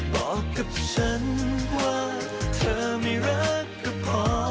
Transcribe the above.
บอกกับฉันว่าเธอไม่รักก็พอ